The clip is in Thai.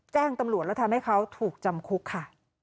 แจ้งตำรวจแล้วทำให้เขาถูกจำคุกค่ะ